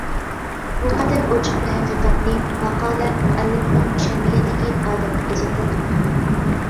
بۇ قەدەر ئوچۇق بىر ھەقىقەتنى «ماقالە» مۇئەللىپىنىڭ چۈشەنمىگەنلىكى ئادەمنى ئەجەبلەندۈرىدۇ.